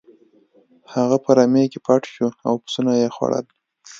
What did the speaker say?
هغه په رمې کې پټ شو او پسونه یې خوړل.